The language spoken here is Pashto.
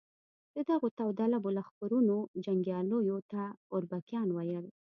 د دغو داوطلبو لښکرونو جنګیالیو ته اربکیان ویل.